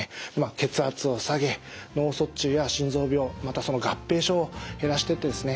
血圧を下げ脳卒中や心臓病またその合併症を減らしていってですね